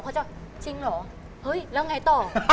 เขาจะจริงเหรอเฮ้ยแล้วไงต่อ